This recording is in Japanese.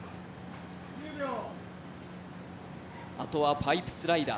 あとはパイプスライダー。